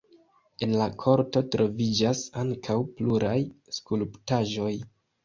En la korto troviĝas ankaŭ pluraj skulptaĵoj.